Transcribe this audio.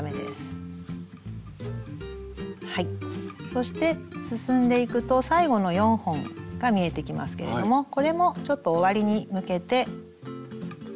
そして進んでいくと最後の４本が見えてきますけれどもこれもちょっと終わりに向けて斜めにカットしておきます。